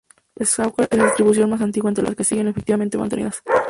Slackware es la distribución más antigua entre las que siguen activamente mantenidas.